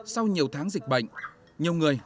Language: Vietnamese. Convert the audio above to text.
sau nhiều tháng dịch bệnh nhiều người